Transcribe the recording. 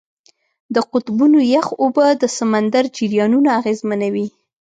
د قطبونو یخ اوبه د سمندر جریانونه اغېزمنوي.